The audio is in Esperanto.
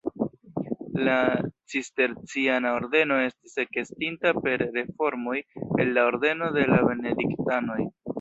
La Cisterciana ordeno estis ekestinta per reformoj el la ordeno de la Benediktanoj.